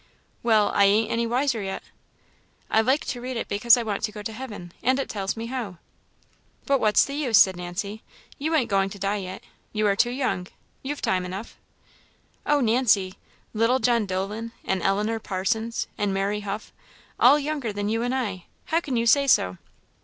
"Well I ain't any wiser yet." "I like to read it because I want to go to heaven, and it tells me how." "But what's the use?" said Nancy "you ain't going to die yet you are too young you've time enough." "Oh, Nancy! little John Dolan, and Eleanor Parsons, and Mary Huff all younger than you and I; how can you say so?"